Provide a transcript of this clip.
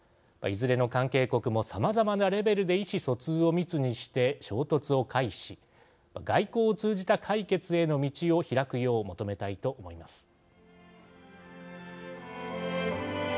いずれの関係国もさまざまなレベルで意思疎通を密にして衝突を回避し外交を通じた解決への道をひらくよう求めたいと思います。